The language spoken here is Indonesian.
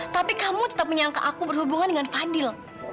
tapi kamu tetap menyangka aku berhubungan dengan fadil